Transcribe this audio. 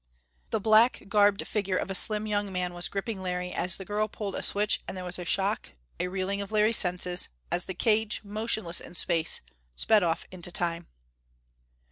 The black garbed figure of a slim young man was gripping Larry as the girl pulled a switch and there was a shock, a reeling of Larry's senses, as the cage, motionless in Space, sped off into Time....